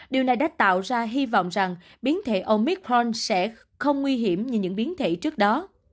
điều này đã tạo ra hy vọng rằng biến thể omithon sẽ không nguy hiểm như những biến thể trước đó